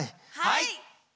はい！